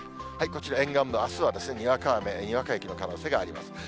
こちら、沿岸部、あすはにわか雨、にわか雪の可能性があります。